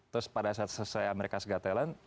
terus pada saat saya amerika's got talent